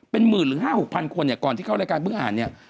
เป็น๑๐๐๐๐หรือ๕๐๐๐๖๐๐๐คนก่อนที่เข้ารายการเพิ่งอ่านนี้